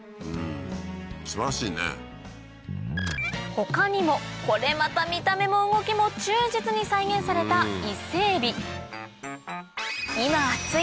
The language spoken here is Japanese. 他にもこれまた見た目も動きも忠実に再現された伊勢エビ今熱い！